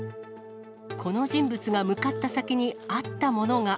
この人物が向かった先にあったものが。